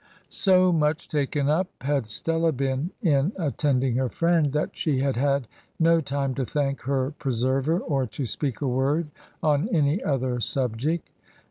So much taken up had Stella been in attending her friend, that she had had no time to thank her preserver, or to speak a word on any other subject.